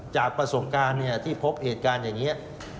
จากประสบการณ์ที่พบเหตุการณ์อย่างนี้